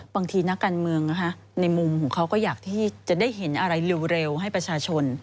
บางทีนักการเมืองในมุมของเขาก็อยากที่จะได้เห็นอะไรเร็วให้ประชาชน